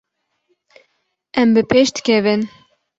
Em bi pêş dikevin.